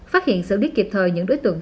phát hiện sự điết kịp thời những đối tượng